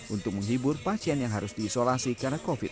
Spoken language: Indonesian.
untuk menghibur pasien yang harus diisolasi karena covid sembilan belas